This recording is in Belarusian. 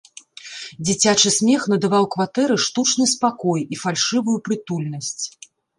Дзіцячы смех надаваў кватэры штучны спакой і фальшывую прытульнасць.